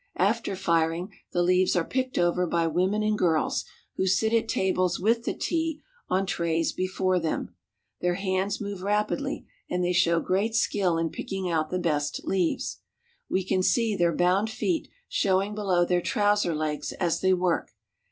After firing, the leaves are picked over by women and girls, who sit at tables with the tea on trays before them. Their hands move rapidly, and they show great skill in picking out the best leaves. We can see their bound feet 1 62 CHINESE FARMS AND FARMING showing below their trouser legs as they work.